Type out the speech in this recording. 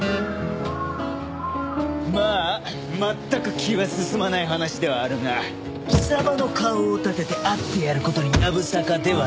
まあ全く気は進まない話ではあるが貴様の顔を立てて会ってやる事にやぶさかではない。